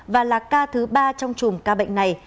và là ca thứ ba trong chùm ca bệnh này